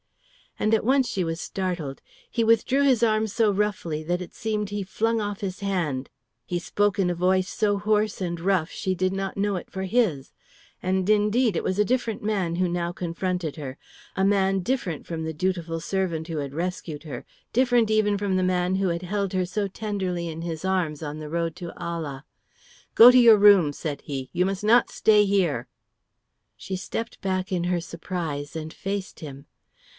And at once she was startled. He withdrew his arm so roughly that it seemed he flung off his hand; he spoke in a voice so hoarse and rough she did not know it for his. And indeed it was a different man who now confronted her, a man different from the dutiful servant who had rescued her, different even from the man who had held her so tenderly in his arms on the road to Ala. "Go to your room," said he. "You must not stay here." She stepped back in her surprise and faced him.